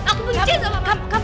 aku benci sama mama